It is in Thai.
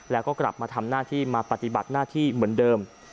แล้วก็กลับมาทำหน้าที่มาปฏิบัติหน้าที่เหมือนเดิม